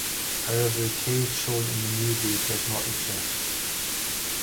However, the cave shown in the movie does not exist.